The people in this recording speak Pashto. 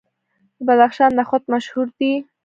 د بدخشان نخود مشهور دي.